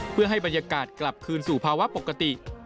เพื่อให้บรรยากาศกลับคืนสู่ภาวะปกติ